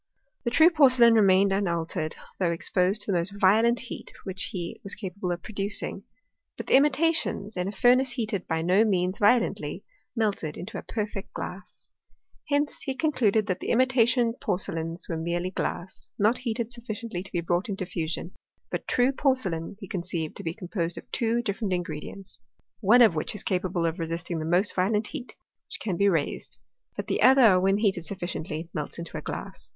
The true porcelain remained unaltered, though exposed to the most violent heat which he was capable of producing ; but the imitations, in a fur nace heated by no means violently, melted into a perfect glass. Hence he concluded, that the imita tion porcelains were merely glass, not heated suffi ciently to be brought into fusion ; but true porcelain he conceived to be composed of two different ingre dients, one of which is capable of resisting the most violent heat which can be raised, but the other, when heated sufficiently, melts into a glass.